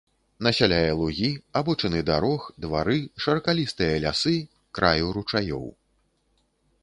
Насяляе лугі, абочыны дарог, двары, шыракалістыя лясы, краю ручаёў.